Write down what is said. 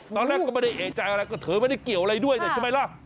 ตอนแรกก็ไม่ได้เอกใจอะไรก็เธอไม่ได้เกี่ยวอะไรด้วยเนี่ยใช่ไหมล่ะ